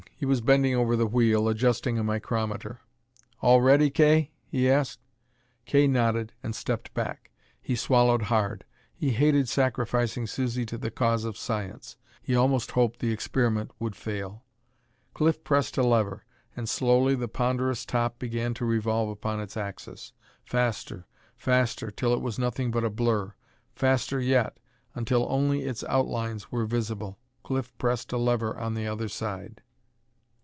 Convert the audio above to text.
He was bending over the wheel, adjusting a micrometer. "All ready, Kay?" he asked. Kay nodded and stepped back. He swallowed hard. He hated sacrificing Susie to the cause of science; he almost hoped the experiment would fail. Cliff pressed a lever, and slowly the ponderous top began to revolve upon its axis. Faster, faster, till it was nothing but a blur. Faster yet, until only its outlines were visible. Cliff pressed a lever on the other side.